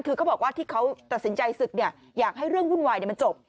คือเขาบอกว่าที่เขาตัดสินใจศึกอยากให้เรื่องวุ่นวายมันจบ